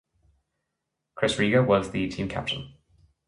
Chris Riga was the team captain.